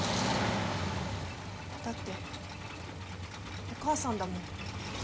だってお母さんだもん。